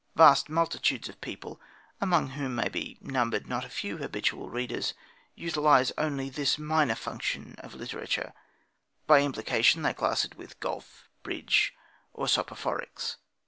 Vast multitudes of people (among whom may be numbered not a few habitual readers) utilise only this minor function of literature; by implication they class it with golf, bridge, or soporifics.